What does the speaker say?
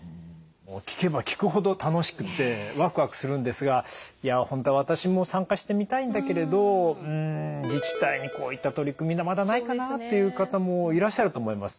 もう聞けば聞くほど楽しくてわくわくするんですが「いや本当は私も参加してみたいんだけれどん自治体にこういった取り組みがまだないかな」っていう方もいらっしゃると思います。